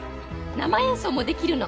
生演奏もできるの。